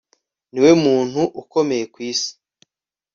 Niwe muntu ukomeye ku isi